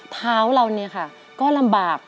เท้าเราเนี่ยค่ะก็ลำบาก